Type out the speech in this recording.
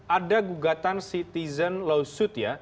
ada gugatan citizen lawsuit ya